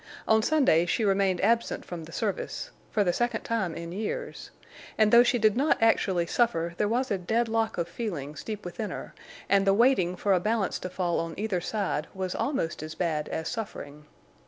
On Sunday she remained absent from the service—for the second time in years—and though she did not actually suffer there was a dead lock of feelings deep within her, and the waiting for a balance to fall on either side was almost as bad as suffering.